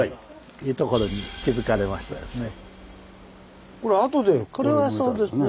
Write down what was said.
いいところに気付かれましたですね。